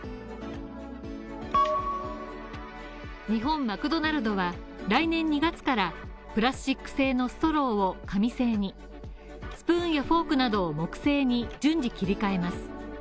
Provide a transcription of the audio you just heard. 日本マクドナルドは来年２月からプラスチック製のストローを紙製にスプーンやフォークなどを木製に順次切り替えます。